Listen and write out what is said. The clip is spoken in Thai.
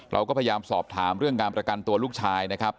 เราก็พยายามสอบถามเรื่องการประกันตัวลูกชายนะครับ